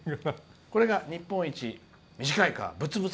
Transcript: これが日本一短い川。